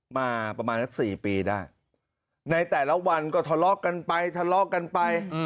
มาประมาณสัก๔ปีได้ในแต่ละวันก็ทะเลาะกันไปทะเลาะกันไป